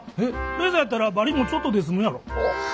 レーザーやったらバリもちょっとで済むやろ。